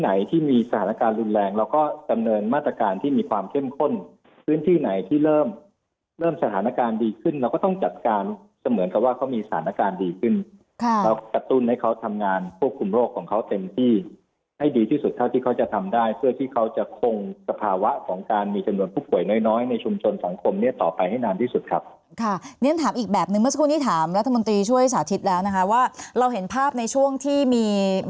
ไหนที่มีสถานการณ์รุนแรงเราก็กำเนินมาตรการที่มีความเข้มข้นพื้นที่ไหนที่เริ่มเริ่มสถานการณ์ดีขึ้นเราก็ต้องจัดการจะเหมือนกับว่าเขามีสถานการณ์ดีขึ้นแล้วกระตุ้นให้เขาทำงานควบคุมโรคของเขาเต็มที่ให้ดีที่สุดเท่าที่เขาจะทำได้เพื่อที่เขาจะคงสภาวะของการมีจำนวนผู้ป่วยน้อยในชุมชนสังคมเนี่